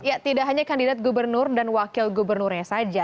ya tidak hanya kandidat gubernur dan wakil gubernurnya saja